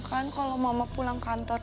jadi kalau mama pulang kantor